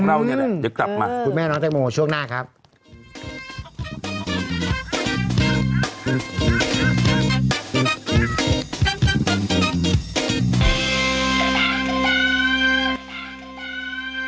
เป็นน่าเป็นต้านคงไม่รู้